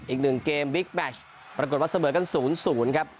อีกหนึ่งเกมบิ๊กแมชปรากฏว่าเสมอกันศูนย์ศูนย์ครับ